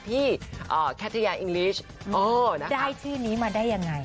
ที่แคทยาอิงลิชได้ชื่อนี้มาได้ยังไง